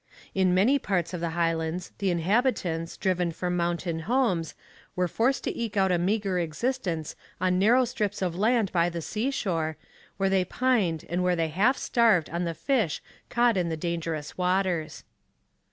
In many parts of the Highlands the inhabitants, driven from mountain homes, were forced to eke out a meagre existence on narrow strips of land by the seashore, where they pined and where they half starved on the fish caught in the dangerous waters.